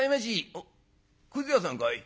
「おっくず屋さんかい？